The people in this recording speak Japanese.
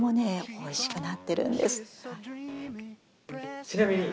おいしくなってるんです。